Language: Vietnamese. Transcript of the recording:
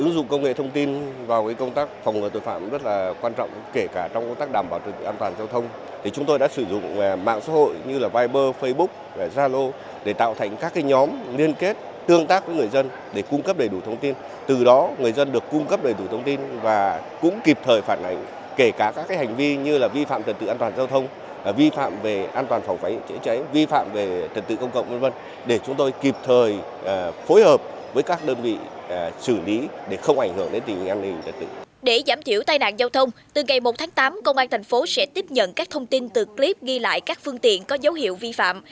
để giảm thiểu tai nạn giao thông từ ngày một tháng tám công an tp hcm sẽ tiếp nhận các thông tin từ clip ghi lại các phương tiện có dấu hiệu vi phạm